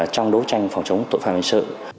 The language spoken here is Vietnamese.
trong đấu tranh phòng chống tội phạm hình sự